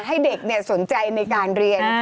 ให้เด็กสนใจในการเรียน